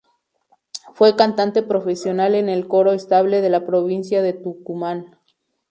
Fue cantante profesional en el Coro Estable de la Provincia de Tucumán.